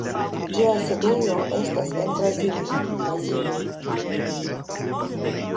Ĝia sidejo estas en Braziljo, Brazilo.